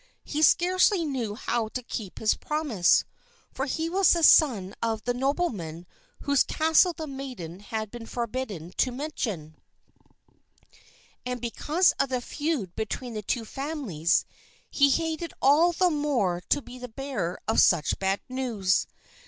He scarcely knew how to keep his promise, for he was the son of the nobleman whose castle the maiden had been forbidden to mention; and, because of the feud between the two families, he hated all the more to be the bearer of such bad news.